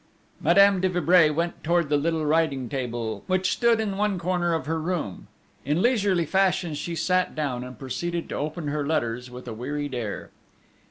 Madame de Vibray went towards the little writing table, which stood in one corner of her room; in leisurely fashion she sat down and proceeded to open her letters with a wearied air.